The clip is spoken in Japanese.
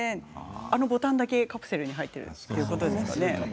あのボタンだけカプセルに入っているということですよね。